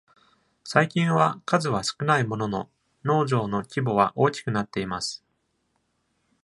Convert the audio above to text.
最近は数は少ないものの農場の規模は大きくなっています。